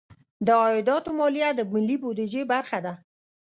د عایداتو مالیه د ملي بودیجې برخه ده.